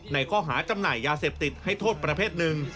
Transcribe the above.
ในข้อหาจำหน่ายยาเสพติดให้โทษประเภทหนึ่ง